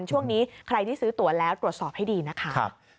ช่วงนี้ใครที่ซื้อตัวแล้วตรวจสอบให้ดีนะคะ